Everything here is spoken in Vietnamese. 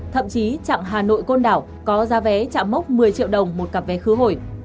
thậm chí trạng hà nội côn đảo có giá vé chạm mốc một mươi triệu đồng một cặp vé khứ hồi